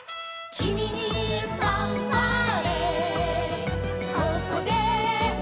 「ここでファンファーレ」